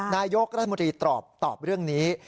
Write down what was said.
นายกรัฐมนตรีตอบเรื่องนี้